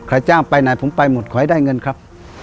จ้างไปไหนผมไปหมดขอให้ได้เงินครับ